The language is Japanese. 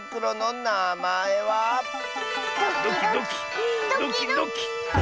ドキドキドキドキ。